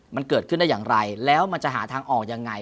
มันเกิดขึ้นได้อย่างไรแล้วมันจะหาทางออกยังไง